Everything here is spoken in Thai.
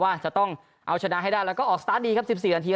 ว่าจะต้องเอาชนะให้ได้แล้วก็ออกสตาร์ทดีครับ๑๔นาที